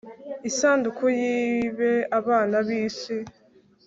isanduku yibe abana b'isi